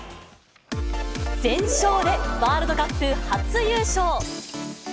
全勝でワールドカップ初優勝。